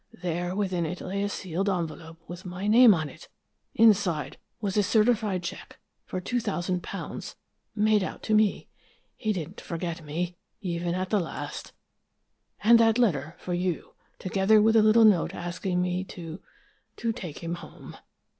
There within it lay a sealed envelope with my name on it! Inside was a certified check for two thousand pounds made out to me he didn't forget me, even at the last and that letter for you, together with a little note asking me to to take him home.